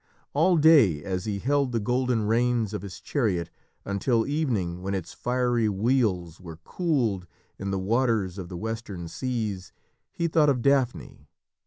All day as he held the golden reins of his chariot, until evening when its fiery wheels were cooled in the waters of the western seas, he thought of Daphne.